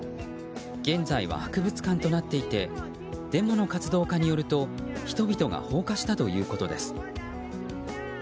現在は博物館となっていてデモの活動家によると人々が放火したということです。